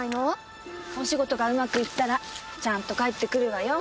お仕事がうまくいったらちゃんと帰ってくるわよ。